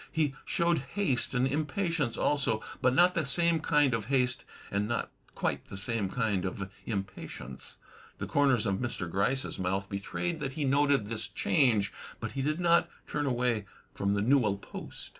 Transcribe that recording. He showed haste and impatience also, but not the same kind of haste and not quite the same kind of impatience. The comers of Mr. Gryce's mouth betrayed that he noted this change, but he did not turn away from the newel post.